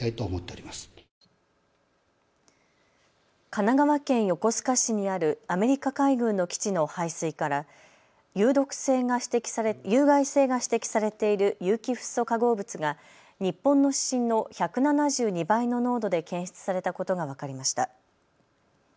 神奈川県横須賀市にあるアメリカ海軍の基地の排水から有害性が指摘されている有機フッ素化合物が日本の指針の１７２倍の濃度で検出されたことが分かりました。